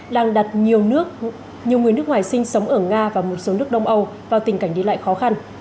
đang đặt nhiều người nước ngoài sinh sống ở nga và một số nước đông âu vào tình cảnh đi lại khó khăn